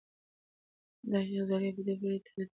د هغې زړې ډبرې قطر تر دې اوسنۍ ډبرې ډېر زیات و.